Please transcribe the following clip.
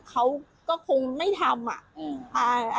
เขาก็คงไม่ทำอะ